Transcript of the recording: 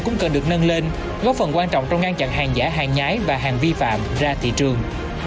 cũng cần được nâng lên góp phần quan trọng trong ngăn chặn hàng giả hàng nhái và hàng vi phạm ra thị trường